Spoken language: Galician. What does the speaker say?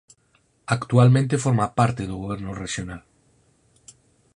Actualmente forma parte do goberno rexional.